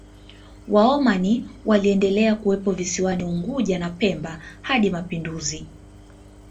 Waomani waliendelea kuwepo visiwani Unguja na Pemba hadi mapinduzi